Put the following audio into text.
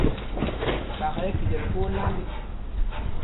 Kpak ɛ́ ɛ́ pilɛ kwóó laa le.